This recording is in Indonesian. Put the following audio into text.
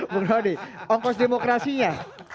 bung rodi ongkos demokrasinya